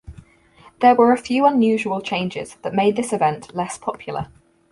There were a few unusual changes that made this event less popular.